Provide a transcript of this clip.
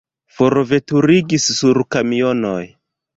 Forveturigis sur kamionoj.